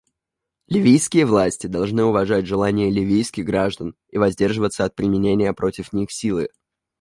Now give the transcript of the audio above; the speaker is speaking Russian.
Ливийские власти должны уважать желание ливийских граждан и воздерживаться от применения против них силы.